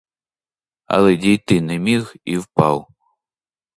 Але дійти не міг і впав.